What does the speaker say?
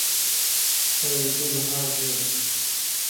Ew ê bibehece.